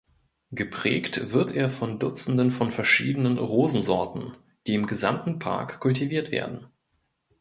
Geprägt wird er von Dutzenden von verschiedenen Rosensorten, die im gesamten Park kultiviert werden.